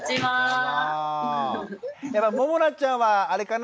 ももなちゃんはあれかな？